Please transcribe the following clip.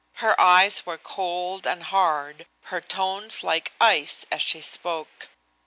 Her eyes were cold and hard, her tones like ice, as she spoke.